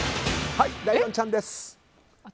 ライオンちゃんです。